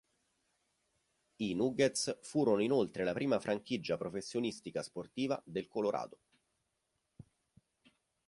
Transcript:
I Nuggets furono inoltre la prima franchigia professionistica sportiva del Colorado.